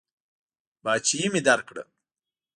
پاچهي مې درکړه.